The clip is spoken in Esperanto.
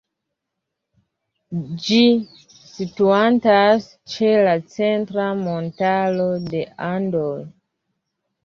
Ĝi situantas ĉe la Centra Montaro de Andoj.